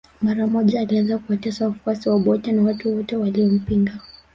Mara moja alianza kuwatesa wafuasi wa Obote na watu wote waliompinga